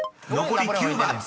残り９番。